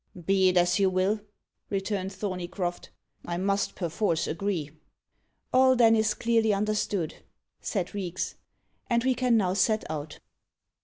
"Be it as you will," returned Thorneycroft, "I must perforce agree." "All then is clearly understood," said Reeks, "and we can now set out."